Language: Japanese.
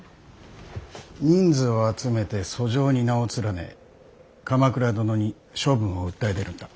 人数を集めて訴状に名を連ね鎌倉殿に処分を訴え出るんだ。